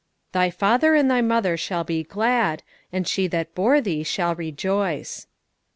"Thy father and thy mother shall be glad, and she that bore thee shall rejoice."